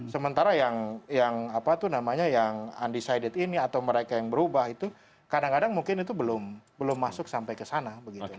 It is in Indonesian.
sementara yang undecided ini atau mereka yang berubah itu kadang kadang mungkin itu belum masuk sampai ke sana